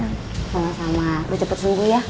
sama sama udah cepet sembuh ya